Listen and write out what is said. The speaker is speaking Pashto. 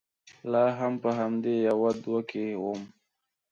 لا هم په همدې يوه دوه کې ووم.